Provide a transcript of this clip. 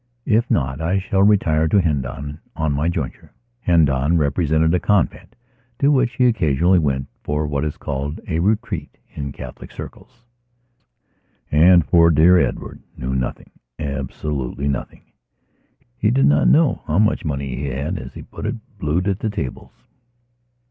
If not I shall retire to Hendon on my jointure." (Hendon represented a convent to which she occasionally went for what is called a "retreat" in Catholic circles.) And poor dear Edward knew nothingabsolutely nothing. He did not know how much money he had, as he put it, "blued" at the tables.